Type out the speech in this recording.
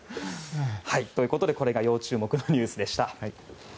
ということでこれが要注目のニュースでした。